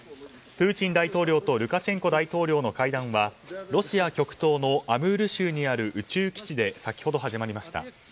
プーチン大統領とルカシェンコ大統領の会談はロシア極東のアムール州にある宇宙基地で先ほど、始まりました。